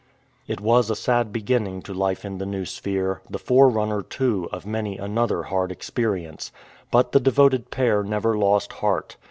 It was a sad beginning to life in the new sphere, the forerunner, too, of many another hard experience, but the devoted pair never lost heart.